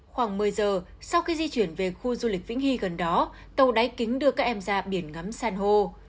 khoảng một mươi giờ sau khi di chuyển về khu du lịch vĩnh hy gần đó tàu đáy kính đưa các em ra biển ngắm san hô